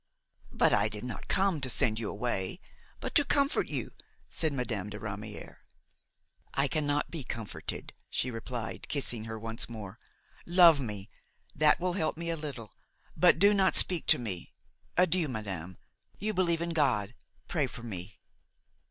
"But I did not come to send you away, but to comfort you," said Madame de Ramière. "I cannot be comforted," she replied, kissing her once more; "love me, that will help me a little; but do not speak to me. Adieu, madame; you believe in God–pray for me."